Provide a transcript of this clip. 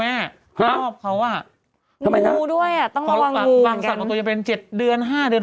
แล้วก็ไปกระต่ายสี่หรือยัง